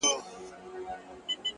د هغه ږغ د هر چا زړه خپلوي،